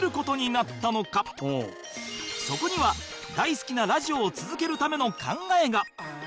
そこには大好きなラジオを続けるための考えが